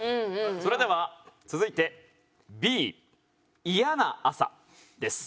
それでは続いてＢ「嫌な朝」です。